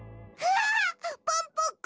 ポンポコ。